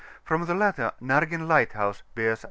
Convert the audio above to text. From the latter, Na^en Lighthouse bears N.